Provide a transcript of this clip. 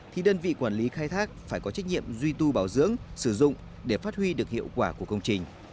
thì đơn vị quản lý khai thác phải có trách nhiệm duy tu bảo dưỡng sử dụng để phát huy được hiệu quả của công trình